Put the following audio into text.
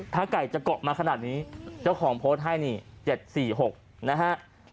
ถ้าไก่จะเกาะมาขนาดนี้เจ้าของโพสต์ให้นี่๗๔๖นะฮะ